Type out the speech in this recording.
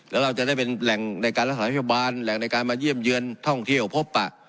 แล้วเราจะได้เป็นแหล่งในการรักษาพยาบาลแหล่งในการมาเยี่ยมเยือนท่องเที่ยวพบปะ